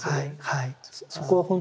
はい。